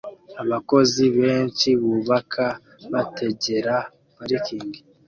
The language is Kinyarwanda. Abakozi benshi bubaka bategera parikingi